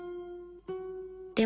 で